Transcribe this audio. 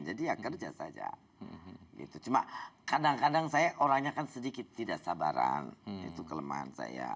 jadi ya kerja saja itu cuma kadang kadang saya orangnya kan sedikit tidak sabaran itu kelemahan